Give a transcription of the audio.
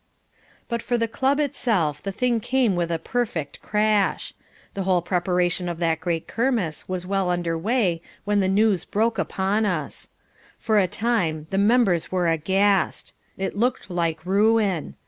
But for the club itself the thing came with a perfect crash. The whole preparation of the great Kermesse was well under way when the news broke upon us. For a time the members were aghast. It looked like ruin.